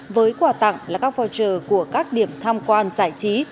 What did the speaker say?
với quà tặng là các voucher của các điểm tham quan giải trí